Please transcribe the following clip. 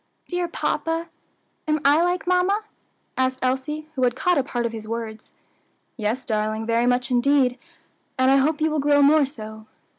"Dear papa, am I like mamma?" asked Elsie, who had caught a part of his words. "Yes, darling, very much indeed, and I hope you will grow more so."